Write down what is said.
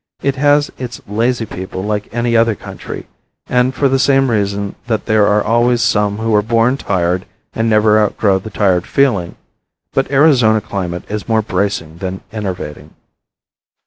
It has its lazy people like any other country and for the same reason that there are always some who were born tired and never outgrow the tired feeling, but Arizona climate is more bracing than enervating.